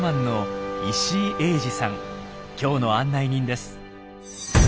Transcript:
今日の案内人です。